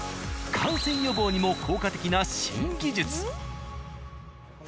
感染予防にも効果的な新技術。